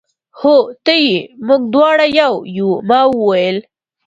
هو ته یې، موږ دواړه یو، یو. ما وویل.